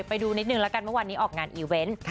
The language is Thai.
ไปดูนิดนึงแล้วกันเมื่อวานนี้ออกงานอีเวนต์